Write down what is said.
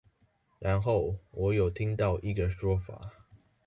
然後，我有聽到一個說法